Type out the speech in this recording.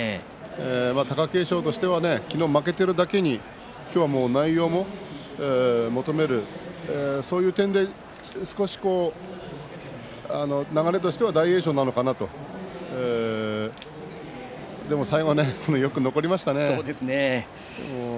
貴景勝としては昨日負けているだけに今日は内容も求めるそういう点で少し流れとしては大栄翔なのかなと、でも、最後はよく残りましたね。